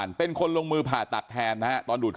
อันนี้มันต้องมีเครื่องชีพในกรณีที่มันเกิดเหตุวิกฤตจริงเนี่ย